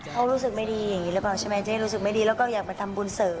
เขารู้สึกไม่ดีอย่างนี้หรือเปล่าใช่ไหมเจ๊รู้สึกไม่ดีแล้วก็อยากมาทำบุญเสริม